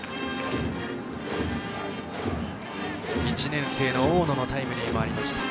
１年生の大野のタイムリーもありました。